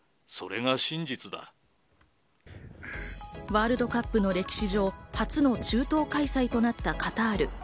ワールドカップの歴史上、初の中東開催となったカタール。